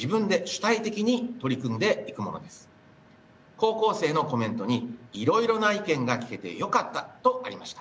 高校生のコメントにいろいろな意見が聞けてよかったとありました。